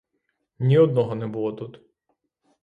Ні одного не було тут.